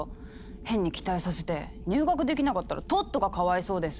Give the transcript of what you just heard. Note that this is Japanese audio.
変に期待させて入学できなかったらトットがかわいそうです。